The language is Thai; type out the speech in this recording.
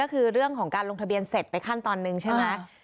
ก็คือเรื่องของการลงทะเบียนเสร็จไปขั้นตอนหนึ่งใช่ไหม